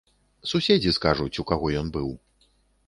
Суседзі скажуць, у каго ён быў.